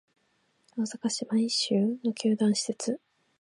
大阪市・舞洲の球団施設